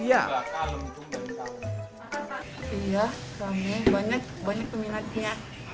iya banyak banyak peminatnya